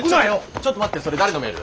ちょっと待ってそれ誰のメール？